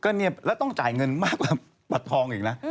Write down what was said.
ก็เนี่ยแล้วต้องจ่ายเงินมากกว่าบัตรทองอีกนะ